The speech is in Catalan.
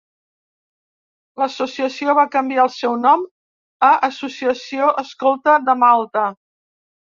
L'associació va canviar el seu nom a Associació escolta de Malta.